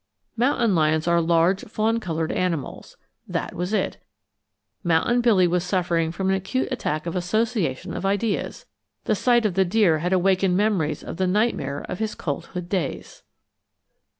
Mountain lions are large fawn colored animals: that was it: Mountain Billy was suffering from an acute attack of association of ideas. The sight of the deer had awakened memories of the nightmare of his colthood days.